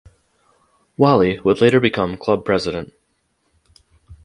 Whalley would later become club President.